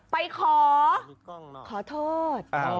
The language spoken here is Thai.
ไปขอขอโทษ